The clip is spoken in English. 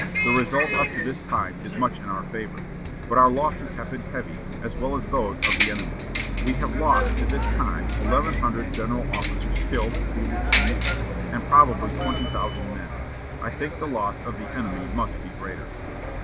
The result up to this time is much in our favor. But our losses have been heavy, as well as those of the enemy. We have lost to this time eleven general officers killed, wounded, and missing, and probably twenty thousand men. I think the loss of the enemy must be greater.